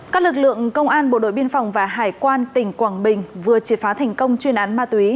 các lực lượng công an bộ đội biên phòng và hải quan tỉnh quảng bình vừa triệt phá thành công chuyên án ma túy